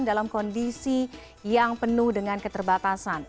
dalam kondisi yang penuh dengan keterbatasan